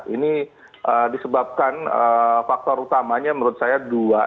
ini disebabkan faktor utamanya menurut saya dua